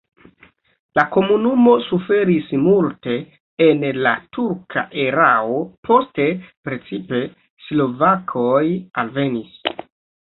La komunumo suferis multe en la turka erao, poste precipe slovakoj alvenis.